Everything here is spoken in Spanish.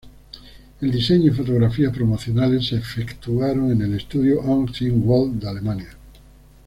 El diseño y fotografías promocionales se efectuaron en el estudio Angst-im-Wald de Alemania.